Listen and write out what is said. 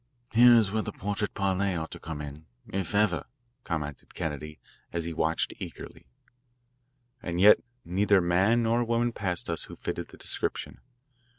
"Here is where the 'portrait parle' ought to come in, if ever," commented Kennedy as he watched eagerly. And yet neither man nor woman passed us who fitted the description.